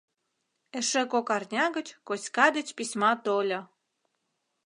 Эше кок арня гыч Коська деч письма тольо.